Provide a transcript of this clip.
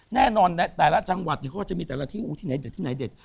แน่นอนแต่ละจังหวัดเขาก็จะมีแต่ละที่ไหนเด็ดที่ไหนเด็ด